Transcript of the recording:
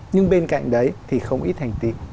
nhưng bên cạnh đấy thì không ít thành tích